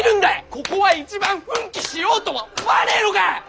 ここは一番奮起しようとは思わねぇのか！